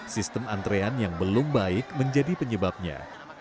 sistem antrean yang belum baik menjadi penyebabnya